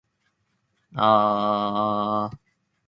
えんがわがすき。